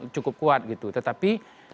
cukup kuat gitu tetapi